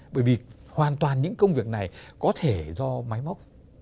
bởi vì hoàn toàn những công việc này có thể do máy móc